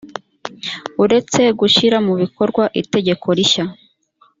uretse gushyira mu bikorwa itegeko rishya